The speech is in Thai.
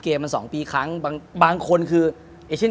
ที่ผ่านมาที่มันถูกบอกว่าเป็นกีฬาพื้นบ้านเนี่ย